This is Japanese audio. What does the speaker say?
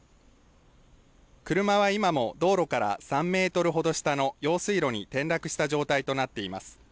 車は今も道路から３メートルほど下の用水路に転落した状態となっています。